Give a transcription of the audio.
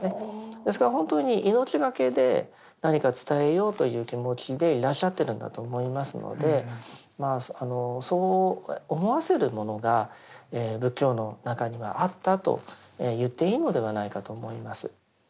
ですから本当に命懸けで何か伝えようという気持ちでいらっしゃってるんだと思いますのでそう思わせるものが仏教の中にはあったと言っていいのではないかと思います。